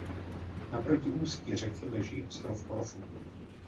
Naproti ústí řeky leží ostrov Korfu.